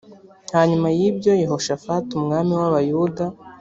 hanyuma y ibyo yehoshafati umwami w abayuda